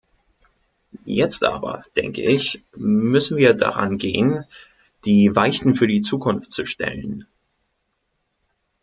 Jetzt aber, denke ich, müssen wir darangehen, die Weichen für die Zukunft zu stellen.